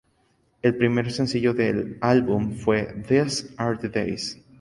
El primer sencillo del álbum fue "These Are the Days".